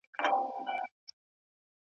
ولي زده کوونکي باید شواهد وکاروي؟